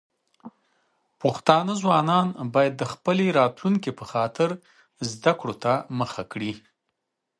پښتانه ځوانان بايد د خپل راتلونکي په خاطر زده کړو ته مخه کړي.